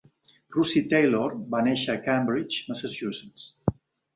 Russi Taylor va néixer a Cambridge, Massachusetts.